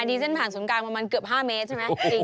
อันนี้เส้นผ่านสุนการประมาณเกือบ๕เมตรใช่ไหม